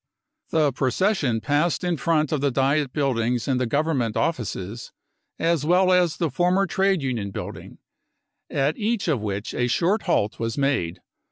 The procession passed in front of the Diet buildings and the Government offices, as well as the former trade union building, at each of which a short halt was made.